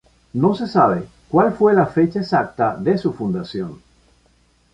No se sabe cuál fue la fecha exacta de su fundación.